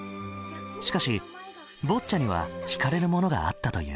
しかしボッチャには引かれるものがあったという。